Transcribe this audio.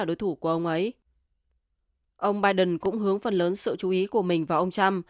ông biden cũng hướng phần lớn sự chú ý của mình vào ông trump